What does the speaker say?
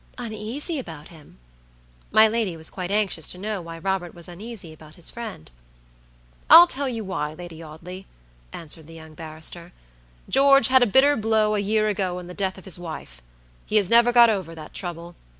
"Uneasy about him!" My lady was quite anxious to know why Robert was uneasy about his friend. "I'll tell you why, Lady Audley," answered the young barrister. "George had a bitter blow a year ago in the death of his wife. He has never got over that trouble.